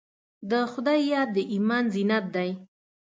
د خدای یاد د ایمان زینت دی.